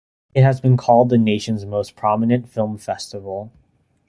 It has been called the nation's most prominent film festival.